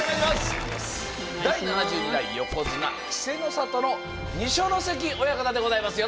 第７２代横綱稀勢の里の二所ノ関親方でございます。